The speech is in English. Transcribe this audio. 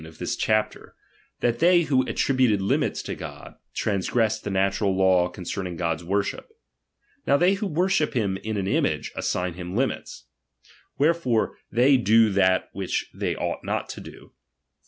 H of this chapter, tbat they who attributed limits to God, tranagresBed the natural law coDcerniag God's worship. Now they who worship him in on image, aBsign him limits. Whererorc they do that which they ought not to do.